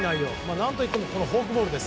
何といってもフォークボールです。